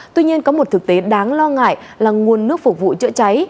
tuy nhiên có một thực tế đáng lo ngại là nguồn nước phục vụ chữa cháy